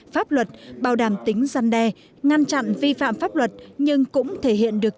pháp luật bảo đảm tính gian đe ngăn chặn vi phạm pháp luật nhưng cũng thể hiện được